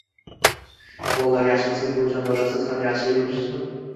Bollar: yaxshimisiz buvijon, doda siz ham yaxshi yuribsizmi?